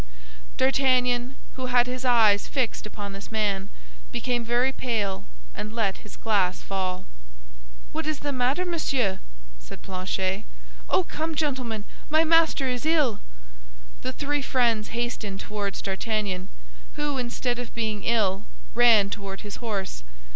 D'Artagnan, who had his eyes fixed upon this man, became very pale, and let his glass fall. "What is the matter, monsieur?" said Planchet. "Oh, come, gentlemen, my master is ill!" The three friends hastened toward D'Artagnan, who, instead of being ill, ran toward his horse.